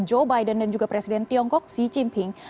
joe biden dan juga presiden tiongkok xi jinping